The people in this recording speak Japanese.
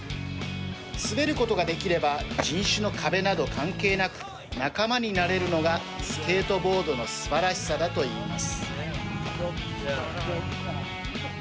滑ることができれば人種の壁など関係なく仲間になれるのがスケートボードのすばらしさだと言います。